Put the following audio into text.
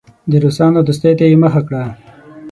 د روسانو دوستۍ ته یې مخه کړه.